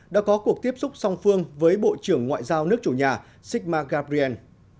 đã có cuộc tiếp xúc song phương với bộ trưởng ngoại giao nước chủ nhà sigma gabriel